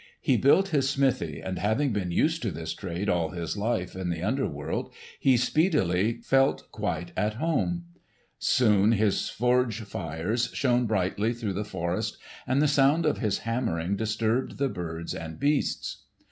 He built his smithy, and having been used to this trade all his life in the under world, he speedily felt quite at home. Soon his forge fires shone brightly through the forest, and the sound of his hammering disturbed the birds and beasts.